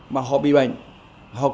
mà họ bị bệnh